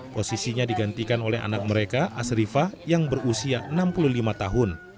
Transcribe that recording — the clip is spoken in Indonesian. posisinya digantikan oleh anak mereka asrifah yang berusia enam puluh lima tahun